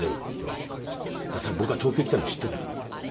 多分僕が東京行きたいのを知っていたから。